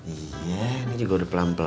iya ini juga udah pelan pelan